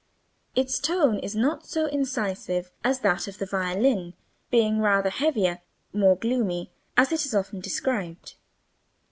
Its tone is not so incisive as that of the violin, being rather heavier "more gloomy," as it is often described.